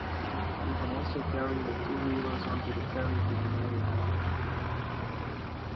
You can also carry your two wheelers onto the Ferry to Manori Island.